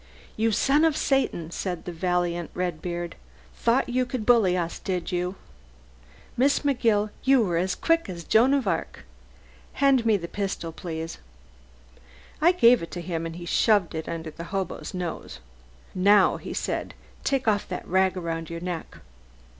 "You son of Satan!" said the valiant Redbeard. "Thought you could bully us, did you? Miss McGill, you were as quick as Joan of Arc. Hand me the pistol, please." I gave it to him, and he shoved it under the hobo's nose. "Now," he said, "take off that rag around your neck."